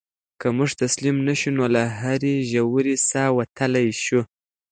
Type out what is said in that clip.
که موږ تسلیم نه شو نو له هرې ژورې څاه وتلی شو.